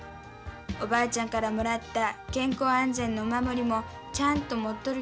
おばあちゃんからもらった健康安全のお守りもちゃんと持っとるけんね。